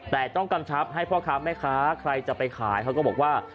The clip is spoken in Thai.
แต่ต้องกำชับให้พ่อค้าแม่ค้าใครจะไปขายเขาก็บอกว่า